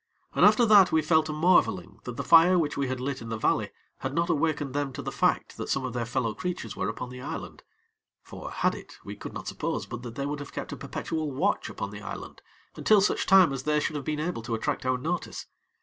And after that we fell to marveling that the fire which we had lit in the valley had not awakened them to the fact that some of their fellow creatures were upon the island; for, had it, we could not suppose but that they would have kept a perpetual watch upon the island until such time as they should have been able to attract our notice.